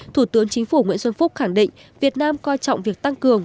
thủ tướng chính phủ nguyễn xuân phúc khẳng định việt nam coi trọng việc tăng cường